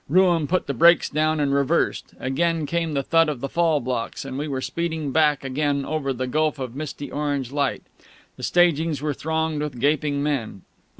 Rooum put the brakes down and reversed; again came the thud of the fall blocks; and we were speeding back again over the gulf of misty orange light. The stagings were thronged with gaping men.